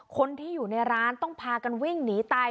คนที่อยู่ในร้านต้องพากันวิ่งหนีตาย